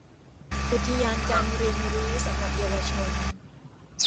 อุทยานการเรียนรู้สำหรับเยาวชน